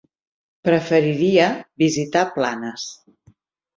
Preferiria visitar Planes.